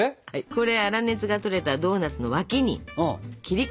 これ粗熱がとれたドーナツの脇に切り込みを入れます。